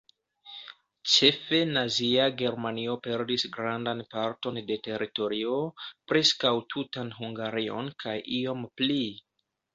Ĉefe Nazia Germanio perdis grandan parton de teritorio, preskaŭ tutan Hungarion kaj iom pli.